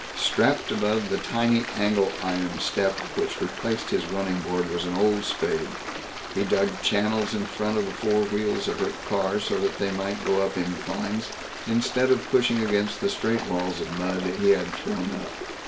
Strapped above the tiny angle iron step which replaced his running board was an old spade. He dug channels in front of the four wheels of her car, so that they might go up inclines, instead of pushing against the straight walls of mud they had thrown up.